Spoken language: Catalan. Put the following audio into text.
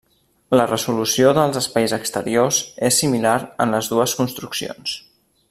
La resolució dels espais exteriors és similar en les dues construccions.